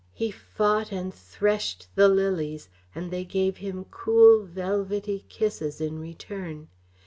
He fought and threshed the lilies, and they gave him cool, velvety kisses in return.